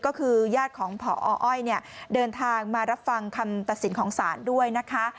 ก็คือญาติของพออ้อยเนี่ยเดินทางมารับฟังคำตัดสินของศาลด้วยนะคะ